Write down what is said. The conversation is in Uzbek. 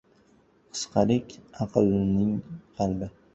• Qisqalik ― aqlning qalbi.